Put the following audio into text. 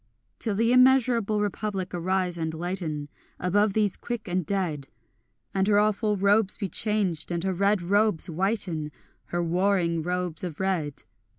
Till the immeasurable Republic arise and lighten Above these quick and dead, And her awful robes be changed, and her red robes whiten, Her warring robes of red.